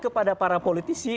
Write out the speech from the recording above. kepada para politisi